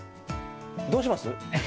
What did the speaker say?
どうします？